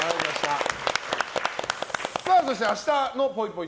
そして、明日のぽいぽい